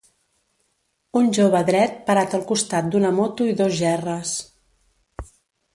Un jove dret, parat al costat d'una moto i dos gerres.